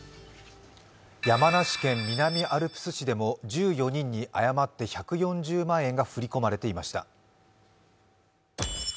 山梨県南アルプス市でも１４人に誤って１４０万円が振り込まれていました。